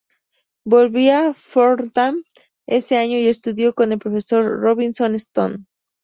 Volvió a Fordham ese año y estudió con el profesor Robinson Stone.